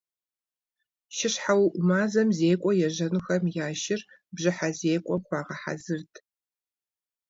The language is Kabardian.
ШыщхьэуӀу мазэм зекӀуэ ежьэнухэм я шыр бжьыхьэ зекӀуэм хуагъэхьэзырырт.